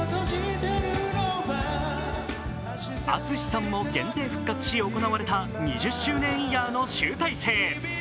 ＡＴＳＵＳＨＩさんも限定復活し行われた２０周年イヤーの集大成。